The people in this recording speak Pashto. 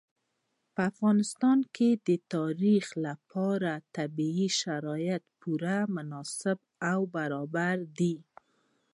په افغانستان کې د تاریخ لپاره طبیعي شرایط پوره مناسب او برابر دي.